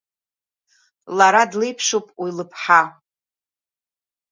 Лара длеиԥшуп уи лыԥҳа!